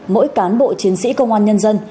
mỗi cán bộ chiến sĩ công an nhân dân